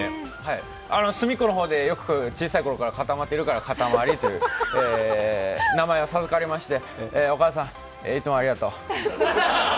隅っこの方でよく小さいころから固まっているから「かたまり」という名前を授かりまして、お母さん、いつもありがとう。